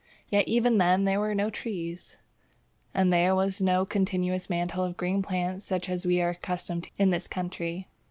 Yet even then there were no trees, and there was no continuous mantle of green plants such as we are accustomed to in this country.